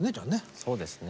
そうですね